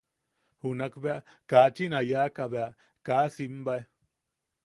Junak bea kachin a yaʼaka bea kaa simbae.